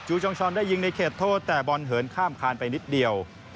จงช้อนได้ยิงในเขตโทษแต่บอลเหินข้ามคานไปนิดเดียว